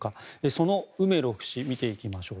そのウメロフ氏見ていきましょう。